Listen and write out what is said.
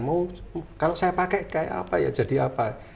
mau kalau saya pakai kayak apa ya jadi apa